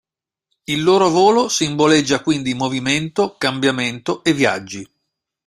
Il loro volo simboleggia quindi movimento, cambiamento e viaggi.